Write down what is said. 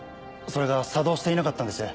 それが作動していなかったんです。